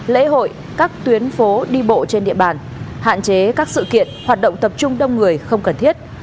lễ hội các tuyến phố đi bộ trên địa bàn hạn chế các sự kiện hoạt động tập trung đông người không cần thiết